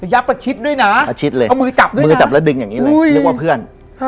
ยับประชิดด้วยนะเอามือจับด้วยนะโอ้ยนิดนึงนึกว่าเพื่อน